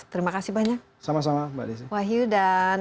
terima kasih banyak sama sama mbak desi wahyu dan